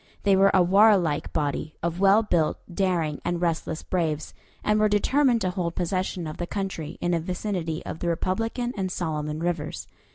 They were a warlike body of well built, daring, and restless braves, and were determined to hold possession of the country in the vicinity of the Republican and Solomon rivers.